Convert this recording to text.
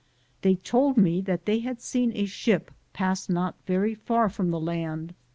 1 They told me they bad seen a ship pass not very far from the land.